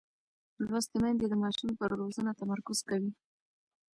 لوستې میندې د ماشوم پر روزنه تمرکز کوي.